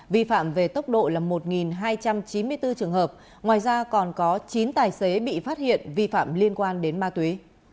vi phạm về tốc độ là một hai trăm chín mươi bốn trường hợp ngoài ra còn có chín tài xế bị phát hiện vi phạm liên quan đến ma túy